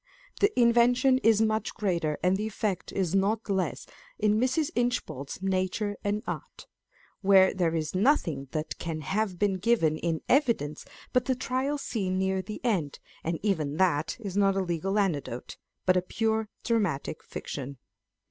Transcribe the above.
The invention is much greater and the effect is not less in Mrs. Inchbald's Nature and Art, where there is nothing that can have been given in evidence but the Trial Scene near the end, and even that is not a legal anecdote, but a pure dramatic fiction.